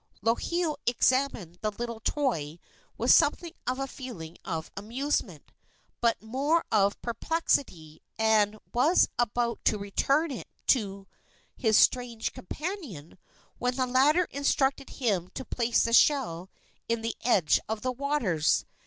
Lohiau examined the little toy with something of a feeling of amusement, but more of perplexity, and was about to return it to his strange companion, when the latter instructed him to place the shell in the edge of the waters.